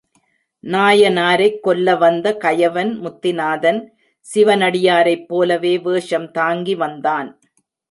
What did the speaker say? நாயனாரைக் கொல்ல வந்த கயவன் முத்திநாதன் சிவனடியாரைப் போலவே வேஷம் தாங்கி வந்தான்.